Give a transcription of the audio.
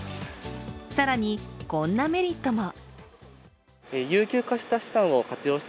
更に、こんなメリットも。